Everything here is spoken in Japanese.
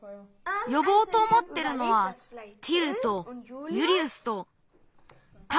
よぼうとおもってるのはティルとユリウスとたぶんダヴィッド。